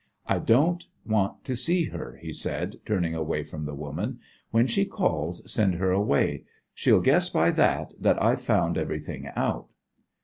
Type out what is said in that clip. "I don't want to see her," he said, turning away from the woman. "When she calls send her away. She'll guess by that that I've found everything out."